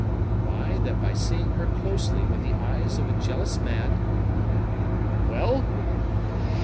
"Why, that by seeing her closely with the eyes of a jealous man " "Well?"